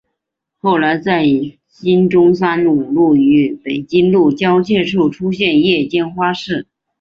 后来在今中山五路与北京路交界处出现夜间花市。